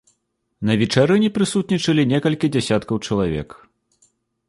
На вечарыне прысутнічалі некалькі дзесяткаў чалавек.